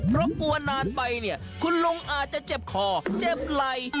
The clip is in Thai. เพราะกลัวนานไปเนี่ยคุณลุงอาจจะเจ็บคอเจ็บไหล่